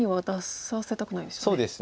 そうですね。